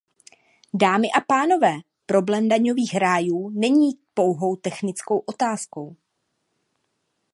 Dámy a pánové, problém daňových rájů není pouhou technickou otázkou.